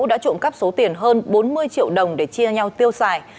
đã trộm cắp số tiền hơn bốn mươi triệu đồng để chia nhau tiêu xài